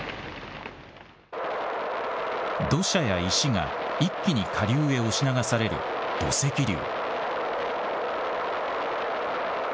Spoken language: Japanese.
土砂や石が一気に下流へ押し流される土石流。